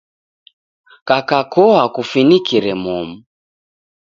Kaka koa kufinikire momu.